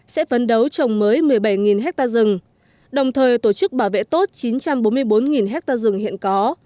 sẽ phấn đấu trồng mới một mươi bảy ha rừng đồng thời tổ chức bảo vệ tốt chín trăm bốn mươi bốn hectare rừng hiện có